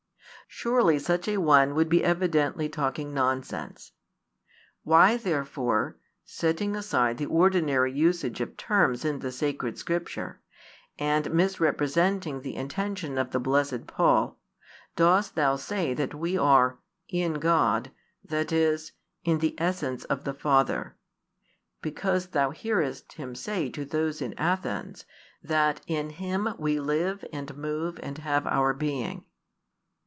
Surely such a one would be evidently talking nonsense. Why therefore, setting aside the ordinary usage of terms in the Sacred Scriptures, and misrepresenting the intention of the blessed Paul, dost thou say that we are "in God," that is, "in the essence of the Father," because thou hearest him say to those in Athens, that in Him we live, and move, and have our being?